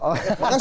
saya nggak setuju